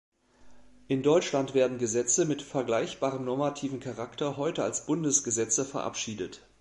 In Deutschland werden Gesetze mit vergleichbarem normativen Charakter heute als Bundesgesetze verabschiedet.